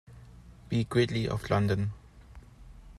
B. Gridley of London.